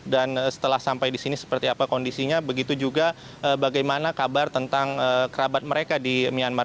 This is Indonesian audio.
dan setelah sampai di sini seperti apa kondisinya begitu juga bagaimana kabar tentang kerabat mereka di myanmar